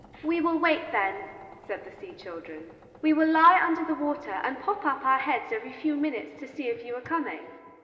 "We will wait, then," said the sea children: "we will lie under the water and pop up our heads every few minutes to see if you are coming."